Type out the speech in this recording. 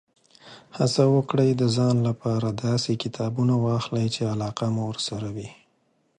هڅه وکړئ، د ځان لپاره داسې کتابونه واخلئ، چې علاقه مو ورسره وي.